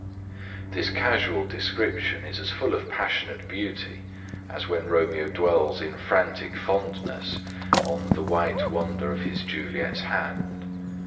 This casual description is as full of passionate beauty as when Romeo dwells in frantic fondness on 'the white wonder of his Juliet's hand'.